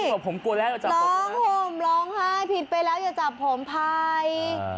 โรงผมกลัวแล้วหลงไห้พิษไปแล้วอย่าจับผมไถ